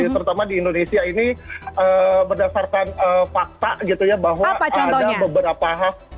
terutama di indonesia ini berdasarkan fakta gitu ya bahwa ada beberapa hal